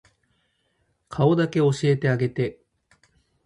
顔だけ教えてあげて